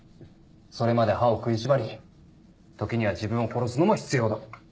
「それまで歯を食いしばり時には自分を殺すのも必要だ」